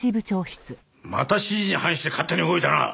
また指示に反して勝手に動いたな！？